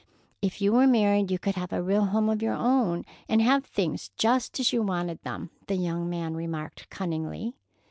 "If you were married, you could have a real home of your own, and have things just as you wanted them," the young man remarked cunningly.